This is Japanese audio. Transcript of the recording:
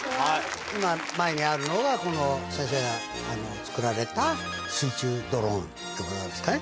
今前にあるのがこの先生が作られた水中ドローンでございますね。